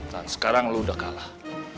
dan sekarang lo udah kalah